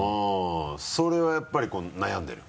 それはやっぱり悩んでる？